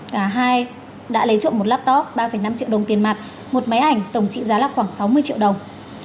cả hai đã lấy trộm một laptop ba năm triệu đồng tiền mặt một máy ảnh tổng trị giá là khoảng sáu mươi triệu đồng